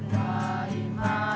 saya berharap pak